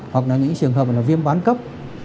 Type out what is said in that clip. hoặc là những trường hợp là viêm bán cấp